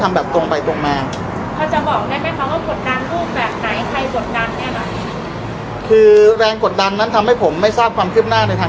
พี่แจงในประเด็นที่เกี่ยวข้องกับความผิดที่ถูกเกาหา